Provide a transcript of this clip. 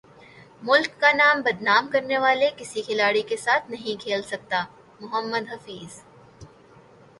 ملک کا نام بدنام کرنے والے کسی کھلاڑی کے ساتھ نہیں کھیل سکتا محمد حفیظ